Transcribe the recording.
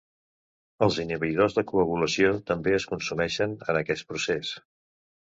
Els inhibidors de coagulació també es consumeixen en aquest procès.